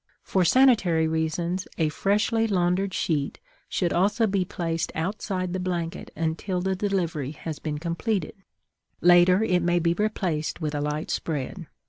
For sanitary reasons, a freshly laundered sheet should also be placed outside the blanket until the delivery has been completed; later, it may be replaced with a light spread.